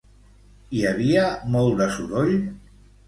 Hi havia molt de soroll?